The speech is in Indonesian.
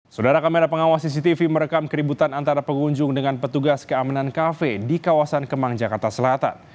saudara kamera pengawas cctv merekam keributan antara pengunjung dengan petugas keamanan kafe di kawasan kemang jakarta selatan